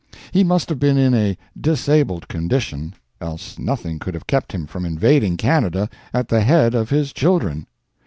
He must have been in a disabled condition, else nothing could have kept him from invading Canada at the head of his "children."